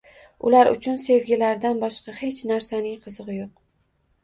Ular uchun sevgilaridan boshqa hech narsaning qizigʻi yoʻq